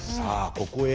ここへ。